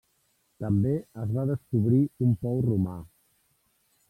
També es va descobrir un pou romà.